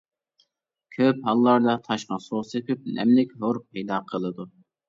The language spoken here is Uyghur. كۆپ ھاللاردا تاشقا سۇ سېپىپ نەملىك ھور پەيدا قىلىدۇ.